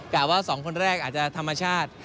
ว่า๒คนแรกอาจจะธรรมชาติ